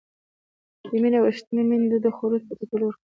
د مينې او حشمتي ميندو د خوړو په تيتولو پيل وکړ.